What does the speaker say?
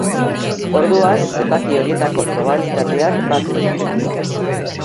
Orduan, zenbaki horietako probabilitateak batu egiten dira.